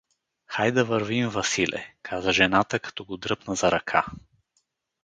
— Хай да вървим, Василе — каза жената, като го дръпна за ръка.